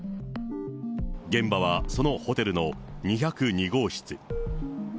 現場はそのホテルの２０２号室。